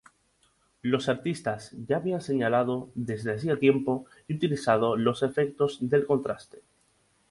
Los artistas ya habían señalado desde hacia tiempo y utilizado los efectos del contraste.